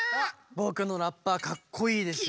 ぼくのラッパかっこいいでしょう。